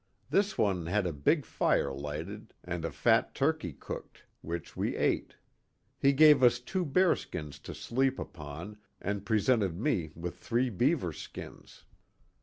This one had a big fire lighted, and a fat turkey cooked, which we ate. He gave us two bearskins to sleep upon, and presented me with three beaver skins.